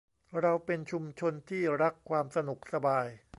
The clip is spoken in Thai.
เราเป็นชุมชนที่รักความสนุกสบาย